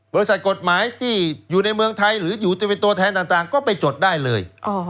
บริษัทกฎหมายที่อยู่ในเมืองไทยหรืออยู่จะเป็นตัวแทนต่างก็ไปจดได้เลย